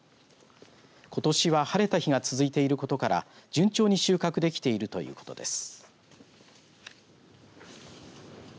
ことしは晴れた日が続いていることから順調に収穫できているということです。